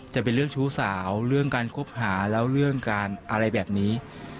จะเป็นเรื่องชู้สาวเรื่องการคบหาแล้วเรื่องการอะไรแบบนี้